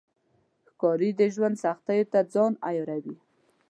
ښکاري د ژوند سختیو ته ځان عیاروي.